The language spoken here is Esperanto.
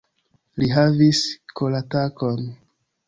Li havis koratakon.